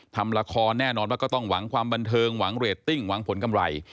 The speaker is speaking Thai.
ทำละครแน่นอนว่าก็ต้องหวังความบันเทิงหวังเรตติ้งหวังผลกำไร